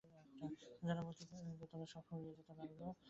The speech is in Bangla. যেন বক্তৃতার বিষয় সব ফুরিয়ে যেতে লাগল।